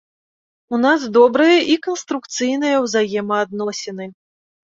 У нас добрыя і канструкцыйныя ўзаемаадносіны.